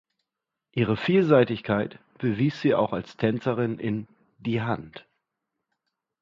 Ihr Vielseitigkeit bewies sie auch als Tänzerin in „Die Hand“.